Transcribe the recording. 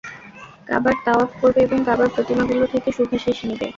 কাবার তওয়াফ করবে এবং কাবার প্রতিমাগুলো থেকে শুভাশীষ নিবে।